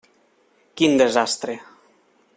Quin desastre!